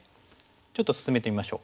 ちょっと進めてみましょう。